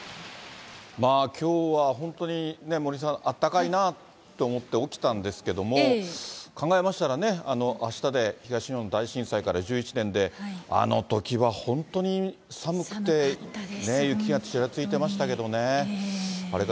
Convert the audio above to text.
まあきょうは、本当に森さん、あったかいなと思って起きたんですけれども、考えましたらね、東日本大震災から１１年で、あのときは本当に寒くてね、雪がちらついてましたけどね。